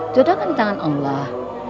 jodoh kan di tangan allah